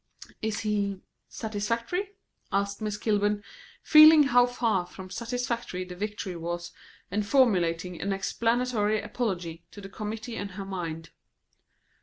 "Is he satisfactory?" asked Miss Kilburn, feeling how far from satisfactory the Victory was, and formulating an explanatory apology to the committee in her mind.